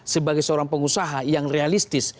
sebagai seorang pengusaha yang realistis